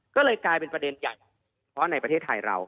ก็เลยกลายเป็นประเด็นใหญ่เพราะในประเทศไทยเรา